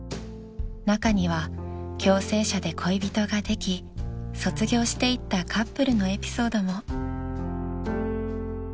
［中には共生舎で恋人ができ卒業していったカップルのエピソードも］